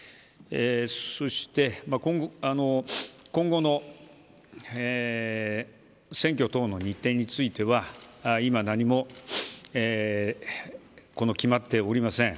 そして、今後の選挙等の日程については今、何も決まっておりません。